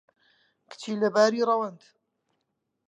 کچی لەباری ڕەوەند